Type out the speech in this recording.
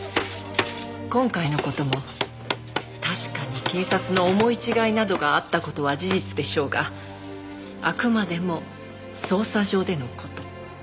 「今回の事も確かに警察の思い違いなどがあった事は事実でしょうがあくまでも捜査上での事」